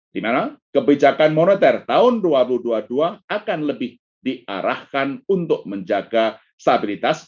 di mana kebijakan moneter tahun dua ribu dua puluh dua akan lebih diarahkan untuk menjaga stabilitas